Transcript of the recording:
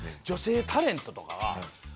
女性タレントとかは。